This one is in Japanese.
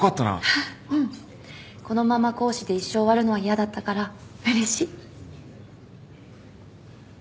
このまま講師で一生終わるのは嫌だったからうれしい。